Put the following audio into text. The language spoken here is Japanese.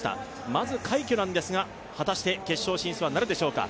まず快挙なんですが、果たして決勝進出はなるでしょうか。